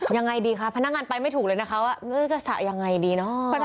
ยังไงดีคะพนักงานไปไม่ถูกเลยนะคะว่าจะสระยังไงดีเนาะ